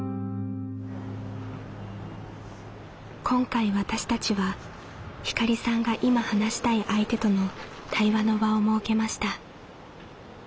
今回私たちはひかりさんが「今話したい相手」との対話の場を設けました。